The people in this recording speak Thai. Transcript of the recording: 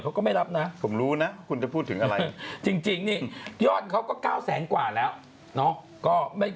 เขาก็ไม่รับนะผมรู้นะคุณจะพูดถึงอะไรจริงนี่ยอดเขาก็๙แสนกว่าแล้วเนาะ